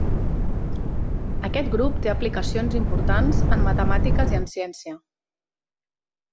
Aquest grup té aplicacions importants en matemàtiques i en ciència.